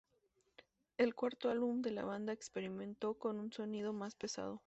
El cuarto álbum de la banda experimentó con un sonido más pesado.